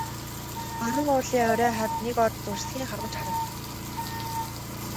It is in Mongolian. Баруун уулын орой хавьд нэг од зурсхийн харваж харагдана.